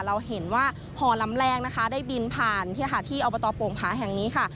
เราเห็นว่าห่อลำแรกนะคะได้บินผ่านที่อบตโป่งผาแห่งนี้ค่ะ